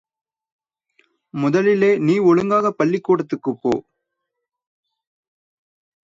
முதலிலே நீ ஒழுங்காகப் பள்ளிக் கூடத்துக்கு போ.